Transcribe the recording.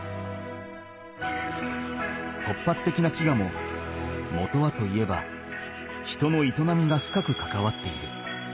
突発的な飢餓ももとはといえば人の営みが深くかかわっている。